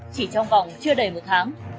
chỉ trong vòng chưa đầy một tháng